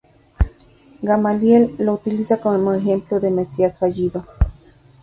Gamaliel lo utiliza como ejemplo de mesías fallido.